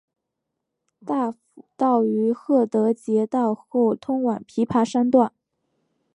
大埔道于郝德杰道后通往琵琶山段。